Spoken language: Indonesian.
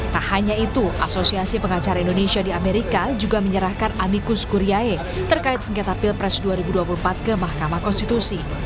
tak hanya itu asosiasi pengacara indonesia di amerika juga menyerahkan amikus kuryaye terkait sengketa pilpres dua ribu dua puluh empat ke mahkamah konstitusi